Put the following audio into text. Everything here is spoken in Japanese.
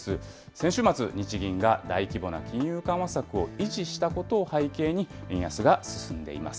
先週末、日銀が大規模な金融緩和策を維持したことを背景に、円安が進んでいます。